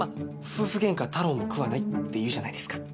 夫婦ゲンカは太郎も食わないって言うじゃないですか。